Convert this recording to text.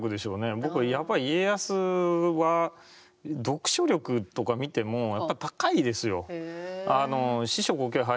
僕はやっぱり家康は読書力とか見てもやっぱり高いですよ。